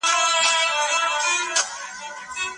مور دي نه سي پر هغو زمریو بوره.